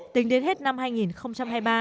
tính đến hết năm hai nghìn hai mươi ba